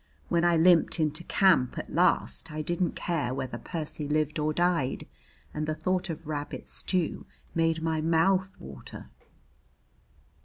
When I limped into camp at last, I didn't care whether Percy lived or died, and the thought, of rabbit stew made my mouth water.